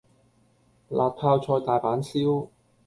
辣泡菜大阪燒